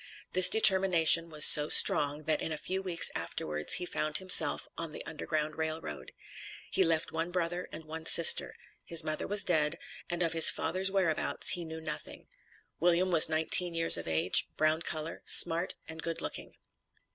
This determination was so strong, that in a few weeks afterwards he found himself on the Underground Rail Road. He left one brother and one sister; his mother was dead, and of his father's whereabouts he knew nothing. William was nineteen years of age, brown color, smart and good looking.